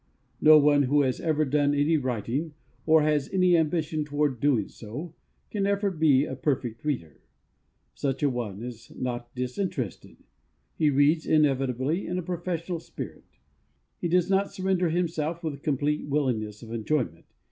No one who has ever done any writing, or has any ambition toward doing so, can ever be a Perfect Reader. Such a one is not disinterested. He reads, inevitably, in a professional spirit. He does not surrender himself with complete willingness of enjoyment.